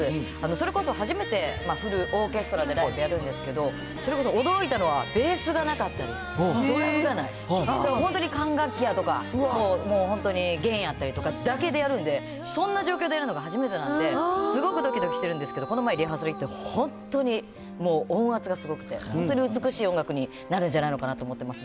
それこそ初めてフルオーケストラでライブやるんですけど、それこそ驚いたのはベースがなかったり、ドラムがない、本当に管楽器やとか、もう、本当に弦やったりとかだけでやるんで、そんな状況でやるのが初めてなんですごくどきどきしてるんですけど、この前リハーサル行って、本当に音圧がすごくて、本当に美しい音楽になるんじゃないのかなと思ってます。